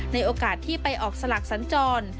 ในโอกาสที่ไปออกสลักสัญจร